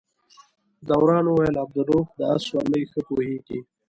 دوران وویل عبدالروف د آس سورلۍ ښه پوهېږي.